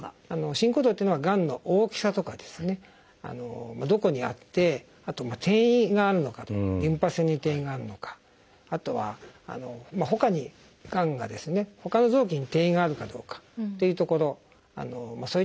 進行度っていうのはがんの大きさとかどこにあってあと転移があるのかとかリンパ節に転移があるのかあとはほかにがんがほかの臓器に転移があるかどうかというところそういったもので決まります。